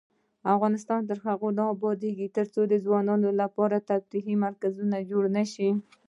افغانستان تر هغو نه ابادیږي، ترڅو د ځوانانو لپاره تفریحي مرکزونه جوړ نشي.